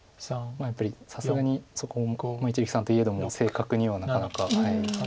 やっぱりさすがにそこ一力さんといえども正確にはなかなか。